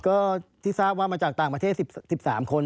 ก็ที่ทราบว่ามาจากต่างประเทศ๑๓คน